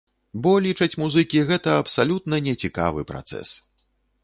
Бо, лічаць музыкі, гэта абсалютна не цікавы працэс.